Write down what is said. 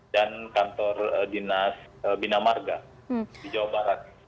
dan kantor dinas bina marga di jawa barat